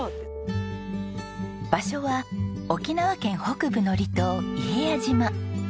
場所は沖縄県北部の離島伊平屋島。